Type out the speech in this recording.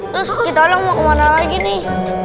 terus kita long mau kemana lagi nih